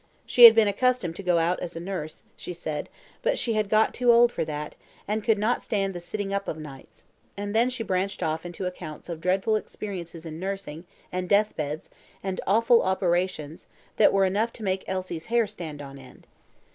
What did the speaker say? She had been accustomed to go out as a nurse, she said; but she had got too old for that, and could not stand the sitting up of nights; and then she branched off into accounts of dreadful experiences in nursing, and deathbeds, and awful operations, that were enough to make Elsie's hair stand on end.